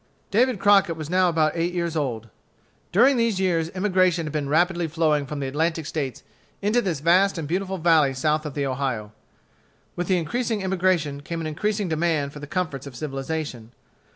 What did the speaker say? David Crockett was now about eight years old. During these years emigration had been rapidly flowing from the Atlantic States into this vast and beautiful valley south of the Ohio. With the increasing emigration came an increasing demand for the comforts of civilization.